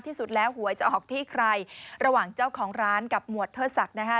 ที่สุดแล้วหวยจะออกที่ใครระหว่างเจ้าของร้านกับหมวดเทิดศักดิ์นะฮะ